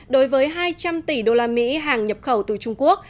đối với hai trăm linh tỷ đô la mỹ hàng nhập khẩu từ trung quốc